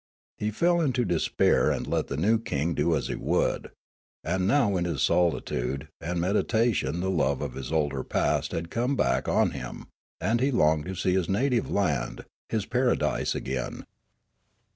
He fell into despair and let the new king do as he would ; and now in his solitude and meditation the love of his older past had come back on him, and he longed to see his native land, his para dise, again.